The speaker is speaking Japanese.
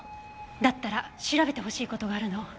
だったら調べてほしい事があるの。